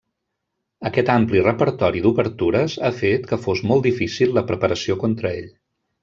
Aquest ampli repertori d'obertures ha fet que fos molt difícil la preparació contra ell.